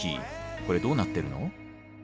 コレどうなってるの？